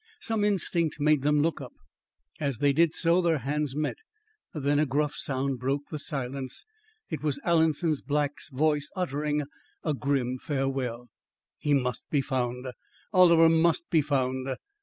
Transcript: Some instinct made them look up; as they did so, their hands met. Then a gruff sound broke the silence. It was Alanson Black's voice uttering a grim farewell. "He must be found! Oliver must be found!"